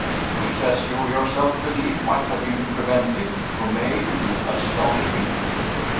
"Which, as you yourself believe, might have been prevented! Romayne, you astonish me."